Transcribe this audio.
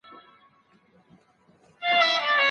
هغه اوږده پاڼه ډنډ ته نه وړي.